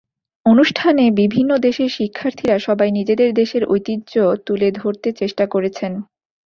অনুষ্ঠানে বিভিন্ন দেশের শিক্ষার্থীরা সবাই নিজেদের দেশের ঐতিহ্য তুলে ধরতে চেষ্টা করেছেন।